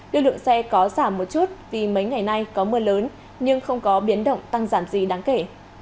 lưu lượng xe có giảm một chút vì mấy ngày nay có mưa lớn nhưng không có biến động tăng giảm gì đáng kể